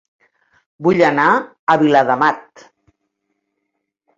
Vull anar a Viladamat